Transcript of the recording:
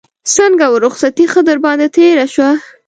څنګه وه رخصتي ښه در باندې تېره شوه.